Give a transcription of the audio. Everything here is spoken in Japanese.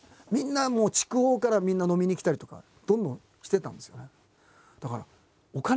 みんなもう筑豊からみんな飲みに来たりとかどんどんしてたんですよね。